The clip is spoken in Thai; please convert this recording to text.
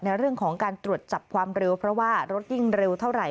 ในเรื่องของการตรวจจับความเร็วเพราะว่ารถยิ่งเร็วเท่าไหร